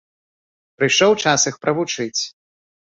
Прыйшоў час іх правучыць.